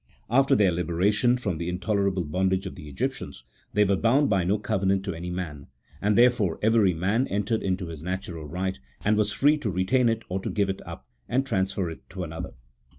After their liberation from the intolerable CHAP. XVII. [ OF THE HEBREW THEOCRACY. 219 bondage of the Egyptians, they were bound by no covenant to any man; and, therefore, every man entered into his natural right, and was free to retain it or to give it up, and transfer it to another.